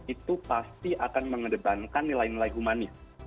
itu pasti akan mengedepankan nilai nilai humanis